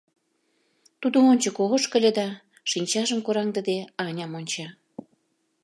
Тудо ончыко ошкыльо да, шинчажым кораҥдыде, Аням онча.